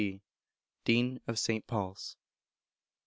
D., Dean of St. Paul's.